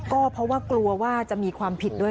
ก็เพราะว่ากลัวว่าจะมีความผิดด้วย